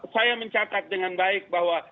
saya mencatat dengan baik bahwa